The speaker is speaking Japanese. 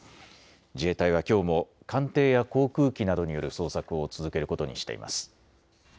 自衛隊はきょうも艦艇や航空機などによる捜索を続けることにしています。